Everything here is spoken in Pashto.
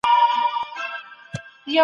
تاریخ د واقعیت او تخیل بڼه غوره کوي.